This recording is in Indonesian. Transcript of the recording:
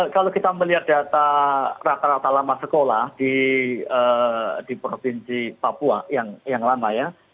kalau kita melihat data rata rata lama sekolah di provinsi papua yang lama ya